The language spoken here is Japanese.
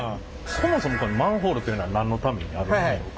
そもそもマンホールっていうのは何のためにあるんでしょうか？